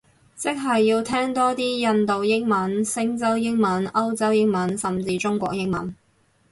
即係要聽多啲印度英文，星洲英文，歐洲英文，甚至中國英文